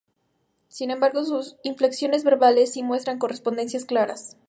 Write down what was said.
Sin embargo, sus inflexiones verbales si muestran correspondencias claras.